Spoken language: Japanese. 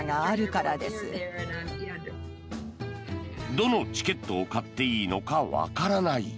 どのチケットを買っていいのかわからない。